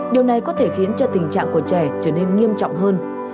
điều này có thể khiến cho tình trạng của trẻ trở nên nghiêm trọng hơn